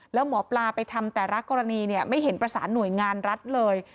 แล้วหมอปลาไปทำแต่ละกรณีเนี่ยไม่เห็นประสานหน่วยงานรัฐเลย